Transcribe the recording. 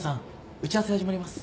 打ち合わせ始まります。